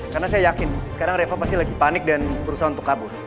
karena saya yakin sekarang reva pasti lagi panik dan berusaha untuk kabur